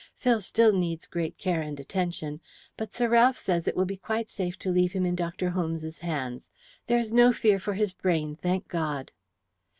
Phil still needs great care and attention, but Sir Ralph says it will be quite safe to leave him in Dr. Holmes's hands. There is no fear for his brain, thank God."